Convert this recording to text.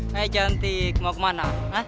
hai cantik mau kemana